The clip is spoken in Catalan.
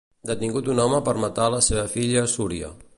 Detingut un home per matar la seva filla a Súria.